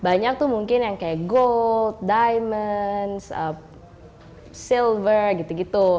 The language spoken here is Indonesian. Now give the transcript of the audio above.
banyak tuh mungkin yang kayak gold diamonds silver gitu gitu